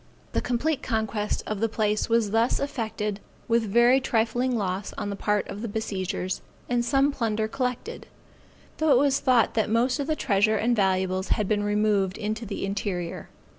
The complete conquest of the place was thus effected with very trifling loss on the part of the besiegers, and some plunder collected; though it was thought that most of the treasure and valuables had been removed into the interior.